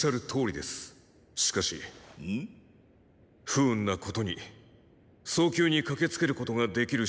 不運なことに早急に駆けつけることができる